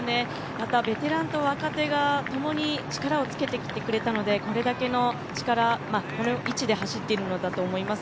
またベテランと若手が共に力をつけてきてくれたのでこれだけの力、この位置で走っているのだと思います。